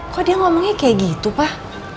kok dia ngomongnya kayak gitu pak